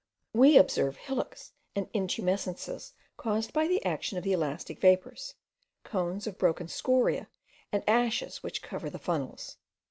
We observe hillocks and intumescences caused by the action of the elastic vapours, cones of broken scoriae and ashes which cover the funnels.